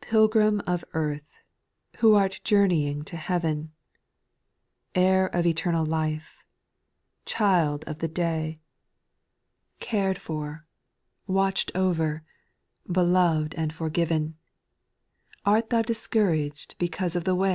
"piLGRIM of earth, who art journeying to A heaven ! Heir of eternal life ! child of the day I Cared for, watch'd over, beloved and forgiven, Art thou discouraged because of the ^a.